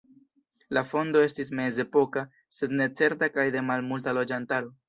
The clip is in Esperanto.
La fondo estis mezepoka, sed ne certa kaj de malmulta loĝantaro.